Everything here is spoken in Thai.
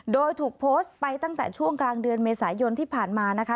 โดยถูกโพสต์ไปตั้งแต่ช่วงกลางเดือนเมษายนที่ผ่านมานะคะ